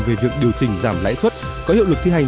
về việc điều chỉnh giảm lãi suất có hiệu lực thi hành